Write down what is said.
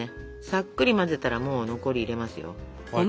さっくり混ぜたらもう残り入れますよ。